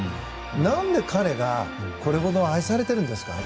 何で彼がこれほど愛されているんですか。